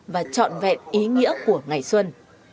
và trọn vẹn ý nghĩa của ngày xuân